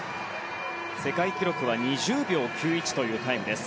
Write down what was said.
世界記録は２０秒９１というタイムです。